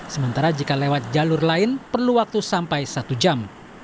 sementara jika lewat jalur lain perlu waktu sampai satu jam